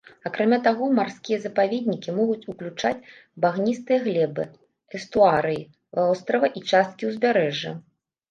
Акрамя таго, марскія запаведнікі могуць уключаць багністыя глебы, эстуарыі, вострава і частка ўзбярэжжа.